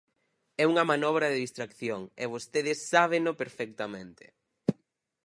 É unha manobra de distracción, e vostedes sábeno perfectamente.